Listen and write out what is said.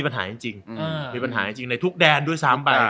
ปัญหาจริงมีปัญหาจริงในทุกแดนด้วยซ้ำไป